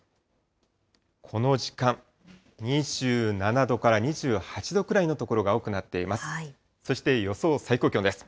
この時間、２７度から２８度くらいの所が多くなっています。